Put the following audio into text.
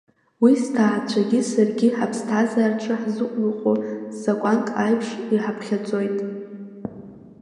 Уи сҭаацәагьы саргьы ҳаԥсҭазаараҿы ҳзықәныҟәо закәанк аиԥш иҳаԥхьаӡоит.